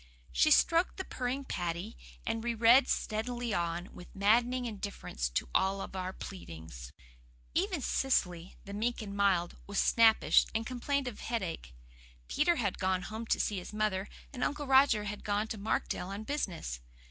She stroked the purring Paddy, and read steadily on, with maddening indifference to all our pleadings. Even Cecily, the meek and mild, was snappish, and complained of headache. Peter had gone home to see his mother, and Uncle Roger had gone to Markdale on business.